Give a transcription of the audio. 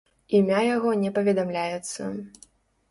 Імя яго не паведамляецца.